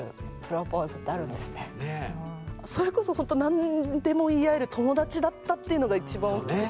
それこそほんと何でも言い合える友達だったっていうのがいちばん大きくて。